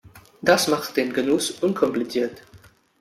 Das macht den Genuss unkompliziert.